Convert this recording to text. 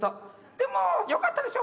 「でもよかったでしょ」。